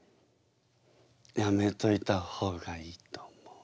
やめといた方がいいと思う。